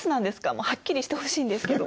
もうはっきりしてほしいんですけど。